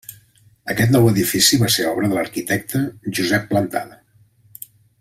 Aquest nou edifici va ser obra de l'arquitecte Josep Plantada.